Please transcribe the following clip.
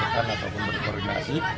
menyampaikan ataupun berkoordinasi